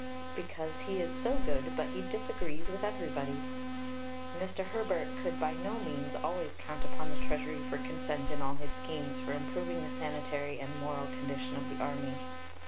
"Because he is so good, but he disagrees with everybody." Mr. Herbert could by no means always count upon the Treasury for consent in all his schemes for improving the sanitary and moral condition of the Army.